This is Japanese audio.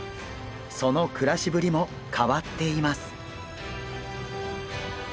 その暮らしぶりも変わっています。